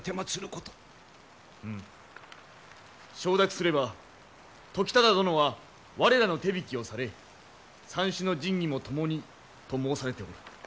承諾すれば時忠殿は我らの手引きをされ三種の神器も共にと申されておる。